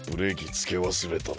つけわすれたな。